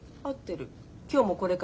今日もこれから会う。